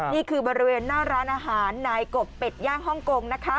นี่คือบริเวณหน้าร้านอาหารนายกบเป็ดย่างฮ่องกงนะคะ